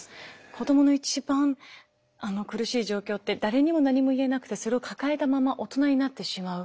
子どもの一番苦しい状況って誰にも何も言えなくてそれを抱えたまま大人になってしまう。